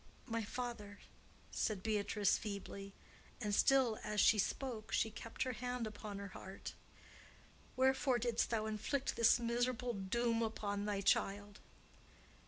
"My father," said Beatrice, feebly,—and still as she spoke she kept her hand upon her heart,—"wherefore didst thou inflict this miserable doom upon thy child?"